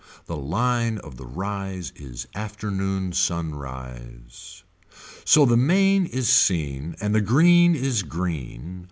The line of the rise is afternoon sunrise. So the main is seen and the green is green.